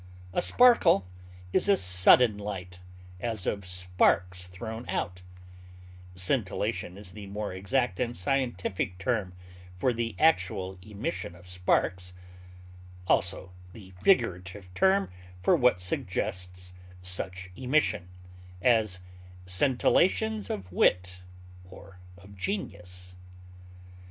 A sparkle is a sudden light, as of sparks thrown out; scintillation is the more exact and scientific term for the actual emission of sparks, also the figurative term for what suggests such emission; as, scintillations of wit or of genius.